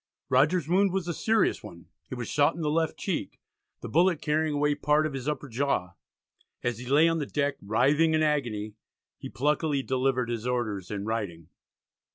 Rogers's wound was a serious one; he was shot in the left cheek, the bullet carrying away part of his upper jaw. As he lay on the deck writhing in agony, he pluckily delivered his orders in writing.